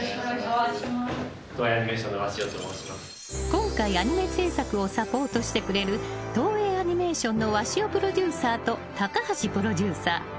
［今回アニメ制作をサポートしてくれる東映アニメーションの鷲尾プロデューサーと高橋プロデューサー］